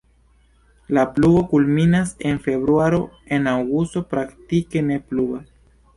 La pluvo kulminas en februaro, en aŭgusto praktike ne pluvas.